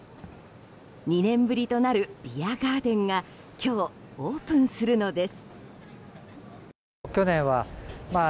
２年ぶりとなるビアガーデンが今日オープンするのです。